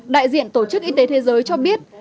đại diện tổ chức y tế thế giới cho biết